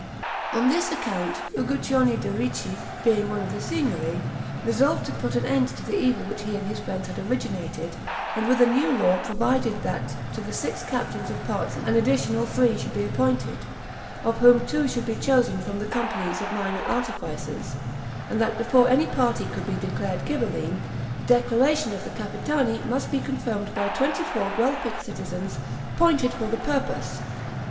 On this account Uguccione de' Ricci, being one of the Signory, resolved to put an end to the evil which he and his friends had originated, and with a new law provided that to the six Captains of Parts an additional three should be appointed, of whom two should be chosen from the companies of minor artificers, and that before any party could be declared Ghibelline, the declaration of the Capitani must be confirmed by twenty four Guelphic citizens, appointed for the purpose.